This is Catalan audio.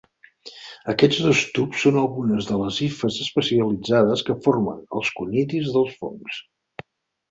Aquests dos tubs són algunes de les hifes especialitzades que formen els conidis dels fongs.